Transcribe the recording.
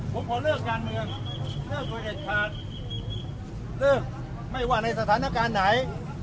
ผมขอเลิกการเมืองเลิกโดยเด็ดขาดเลิกไม่ว่าในสถานการณ์ไหน